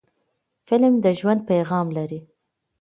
فلم د ژوند پیغام لري